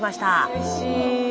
うれしい！